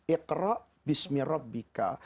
iqra bismi rabbika